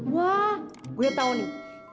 wah gue tau nih